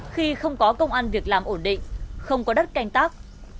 khi không có công an việc làm ổn định không có đất canh tác